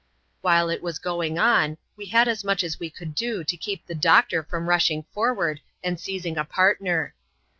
While it was going on, we had as much as we could do to keep the doctor from rushing forward and seizing a partner.